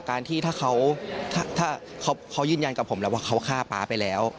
การที่ถ้าเขายืนยันกับผมแล้วว่าเขาฆ่าป๊าไปแล้ว